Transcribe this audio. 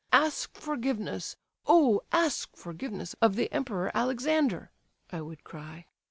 'Ask forgiveness, Oh, ask forgiveness of the Emperor Alexander!' I would cry.